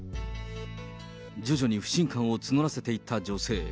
徐々に不信感を募らせていった女性。